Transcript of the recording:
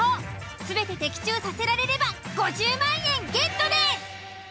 全て的中させられれば５０万円ゲットです！